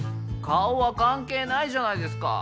顔は関係ないじゃないですか。